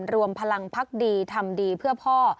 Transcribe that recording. รวมพลังพักดีทำดีเพื่อพ่อ